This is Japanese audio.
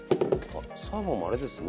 サーモンもあれですね。